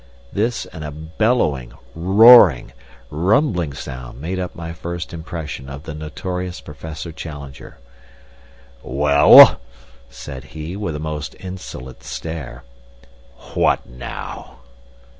This and a bellowing, roaring, rumbling voice made up my first impression of the notorious Professor Challenger. "Well?" said he, with a most insolent stare. "What now?"